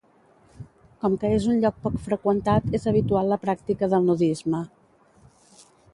Com que és un lloc poc freqüentat és habitual la pràctica del nudisme.